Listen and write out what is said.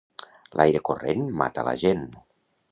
L'aire corrent mata la gent.